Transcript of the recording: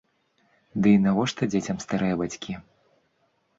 Ды і навошта дзецям старыя бацькі?